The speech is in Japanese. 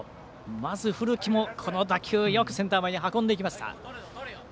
まず古木も、打球よくセンター前に運んでいきました。